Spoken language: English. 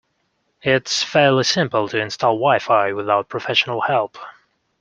It's fairly simple to install wi-fi without professional help.